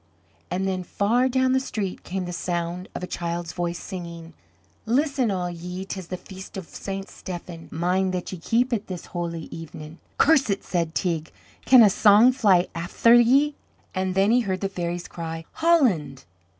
And then far down the street came the sound of a child's voice, singing: "Listen all ye, 'tis the Feast o' St. Stephen, Mind that ye keep it, this holy even". "Curse it!" said Teig; "can a song fly afther ye?" And then he heard the fairies cry "Holland!"